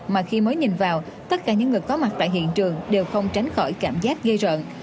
mà khi mới nhìn vào tất cả những người có mặt tại hiện trường đều không tránh khỏi cảm giác gây rợn